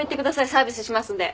サービスしますんで。